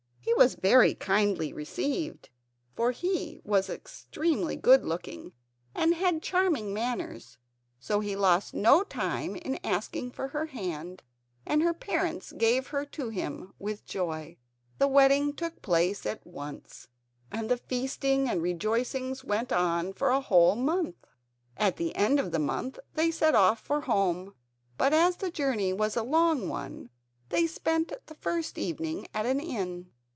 He was very kindly received, for he was extremely good looking and had charming manners, so he lost no time in asking for her hand and her parents gave her to him with joy. The wedding took place at once, and the feasting and rejoicings went on for a whole month. At the end of the month they set off for home, but as the journey was a long one they spent the first evening at an inn.